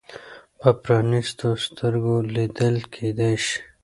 په پرانیستو سترګو لیدل کېدای شي.